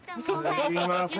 すいません。